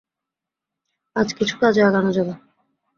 আজ কিছু কাজ আগানো যাবে।